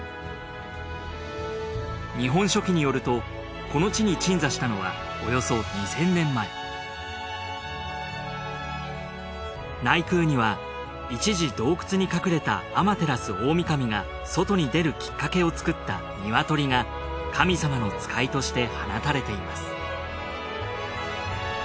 『日本書紀』によるとこの地に鎮座したのはおよそ２，０００年前内宮には一時洞窟に隠れた天照大御神が外に出るきっかけを作った鶏が神様の使いとして放たれています